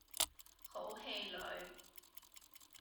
好氣餒